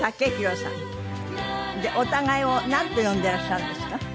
お互いをなんと呼んでらっしゃるんですか？